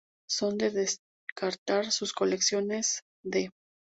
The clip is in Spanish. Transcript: Son de destacar sus colecciones de